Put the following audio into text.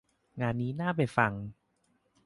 งานนี้น่าไปฟัง